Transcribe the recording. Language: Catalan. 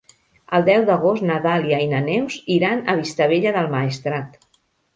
El deu d'agost na Dàlia i na Neus iran a Vistabella del Maestrat.